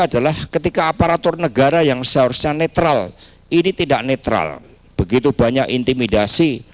adalah ketika aparatur negara yang seharusnya netral ini tidak netral begitu banyak intimidasi